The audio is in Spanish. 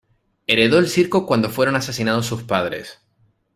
Heredó el circo cuando fueron asesinados sus padres.